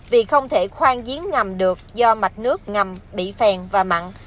vì không thể khoan giếng ngầm được do mạch nước ngầm bị phèn và mặn